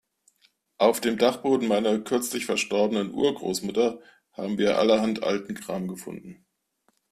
Auf dem Dachboden meiner kürzlich verstorbenen Urgroßmutter haben wir allerhand alten Kram gefunden.